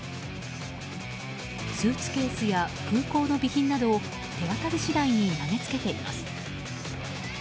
スーツケースや空港の備品などを手当たり次第に投げつけています。